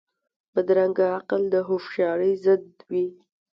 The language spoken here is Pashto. بدرنګه عقل د هوښیارۍ ضد وي